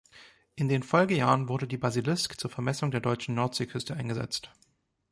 In den Folgejahren wurde die "Basilisk" zur Vermessung der deutschen Nordseeküste eingesetzt.